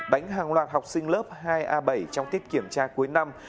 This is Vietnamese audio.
đánh hàng loạt học sinh lớp hai a bảy trong tiết kiểm tra cuối năm